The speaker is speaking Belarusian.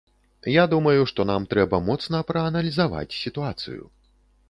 Я думаю, што нам трэба моцна прааналізаваць сітуацыю.